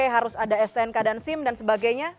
harus ada stnk dan sim dan sebagainya